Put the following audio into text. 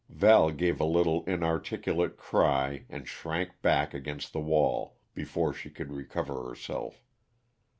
Val gave a little, inarticulate cry and shrank back against the wall before she could recover herself.